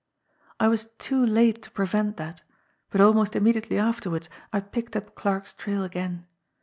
I was too late to prevent that, but almost immediately afterwards I picked up Clarke's trail again.